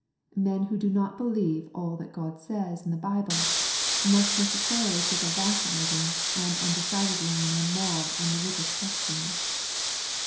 Men who do not believe all that God says in the Bible, must necessarily take a vi, cillating and undecided line on moral and religious questions.